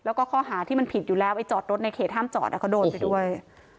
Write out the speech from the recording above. แล้วก็ข้อหาที่มันผิดอยู่แล้วไอ้จอดรถในเขตห้ามจอดเขาโดนไปด้วย